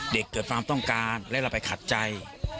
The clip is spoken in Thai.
เกิดความต้องการและเราไปขัดใจ